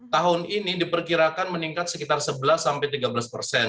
tahun ini diperkirakan meningkat sekitar sebelas sampai tiga belas persen